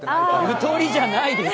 ゆとりじゃないです。